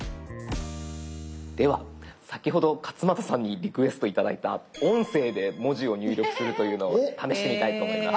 では先ほど勝俣さんにリクエストを頂いた音声で文字を入力するというのを試してみたいと思います。